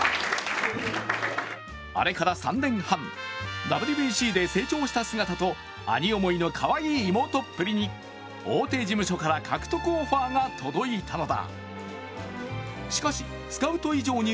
あれから３年半、ＷＢＣで成長した姿と兄思いのかわいい妹っぷりに大手事務所から獲得オファーが届いたのだ。